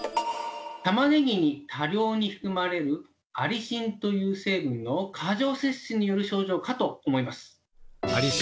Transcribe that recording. タマネギに多量に含まれるアリシンという成分の過剰摂取による症状かと思います。